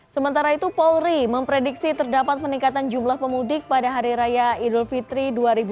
sementara itu polri memprediksi terdapat peningkatan jumlah pemudik pada hari raya idul fitri dua ribu dua puluh